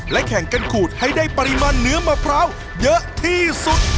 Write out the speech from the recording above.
และแข่งกันขูดให้ได้ปริมาณเนื้อมะพร้าวเยอะที่สุด